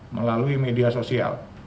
melalui media sosial